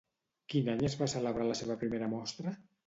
Quin any es va celebrar la seva primera mostra?